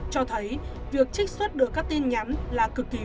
cho thấy việc trích xuất được các tin nhắn là cực kỳ đáng sợ